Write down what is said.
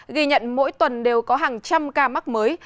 ghi nhận mỗi tuần đều có hàng trăm ca mắc mới